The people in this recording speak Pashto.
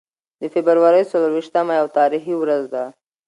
د فبرورۍ څلور ویشتمه یوه تاریخي ورځ ده.